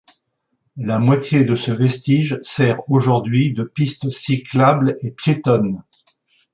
La moitié de ce vestige sert aujourd'hui de piste cyclable et piétonne.